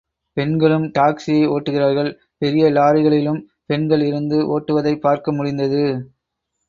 பெண்களும் டாக்சியை ஒட்டு கிறார்கள், பெரிய லாரிகளிலும் பெண்கள் இருந்து ஓட்டுவதைப் பார்க்க முடிந்தது.